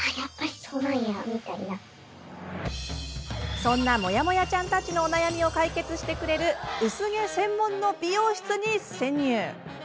そんなモヤモヤちゃんたちのお悩みを解決してくれる薄毛専門の美容室に潜入。